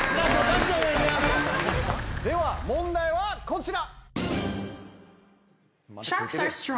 では問題はこちら。